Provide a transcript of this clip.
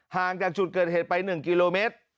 ห่างจากจุดเกิดเหตุไป๑กิโลเมตร